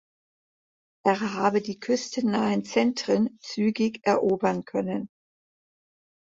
Er habe die küstennahen Zentren zügig erobern können.